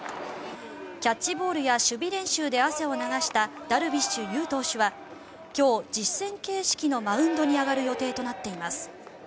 キャッチボールや守備練習で汗を流したダルビッシュ有投手は今日、実戦形式のマウンドに上がる予定となっています。